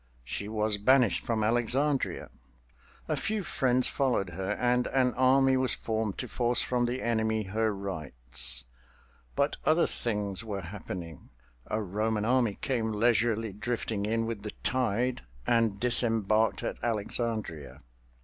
She was banished from Alexandria. A few friends followed her, and an army was formed to force from the enemy her rights. But other things were happening—a Roman army came leisurely drifting in with the tide and disembarked at Alexandria.